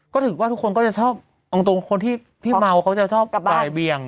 ก็ถือว่าทุกคนก็จะชอบเอาตรงคนที่พี่เมาเขาจะชอบบ่ายเบียง